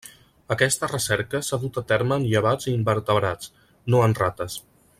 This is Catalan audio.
Aquesta recerca s'ha dut a terme en llevats i invertebrats, no en rates.